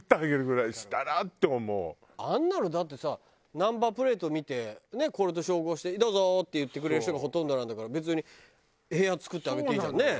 あんなのだってさナンバープレート見てこれと照合して「どうぞ」って言ってくれる人がほとんどなんだから別に部屋作ってあげていいじゃんね。